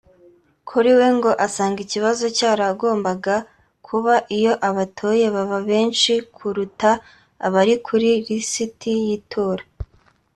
Kuri we ngo asanga ikibazo cyaragombaga kuba iyo abatoye baba benshi kuruta abari kuri lisiti y’itora